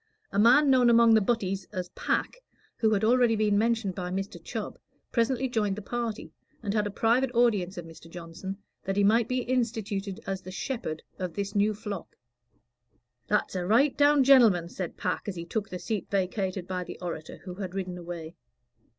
A man known among the "butties" as Pack, who had already been mentioned by Mr. Chubb, presently joined the party, and had a private audience of Mr. Johnson, that he might be instituted as the "shepherd" of this new flock. "That's a right down genelman," said Pack, as he took the seat vacated by the orator, who had ridden away.